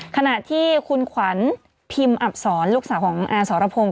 ขณะที่คุณขวัญพิมพ์อับสอนลูกสาวของอาสรพงศ